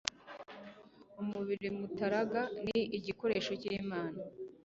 umubiri mutaraga ni igikoresho cy'imana